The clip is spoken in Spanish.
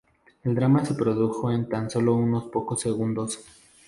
El drama se produjo en tan solo unos pocos segundos.